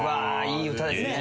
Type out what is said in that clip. いい歌ですね。